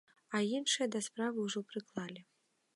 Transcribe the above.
А іншае да справы ўжо прыклалі.